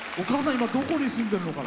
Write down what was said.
今、どこに住んでるのかな？